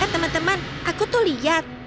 eh teman teman aku tuh liat